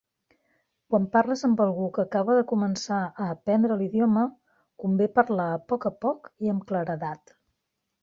Quan parles amb algú que acaba de començar a aprendre l'idioma, convé parlar a poc a poc i amb claredat.